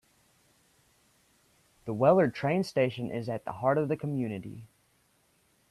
The Wellard Train Station is at the heart of the community.